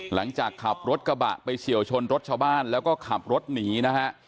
หลังจากขับรถกระบะไปเฉียวชนรถชาวบ้านแล้วก็ขับรถหนีนะฮะ